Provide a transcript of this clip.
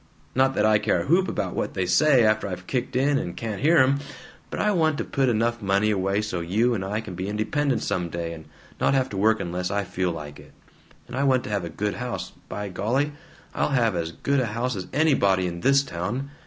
Not that I care a whoop what they say, after I've kicked in and can't hear 'em, but I want to put enough money away so you and I can be independent some day, and not have to work unless I feel like it, and I want to have a good house by golly, I'll have as good a house as anybody in THIS town!